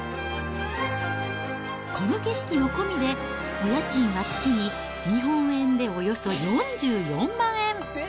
この景色も込みでお家賃は月に日本円でおよそ４４万円。